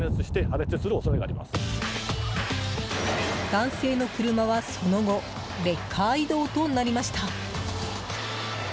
男性の車はその後レッカー移動となりました。